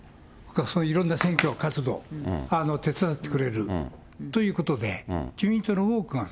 いろんな選挙活動、手伝ってくれるということで、自民党の多くが。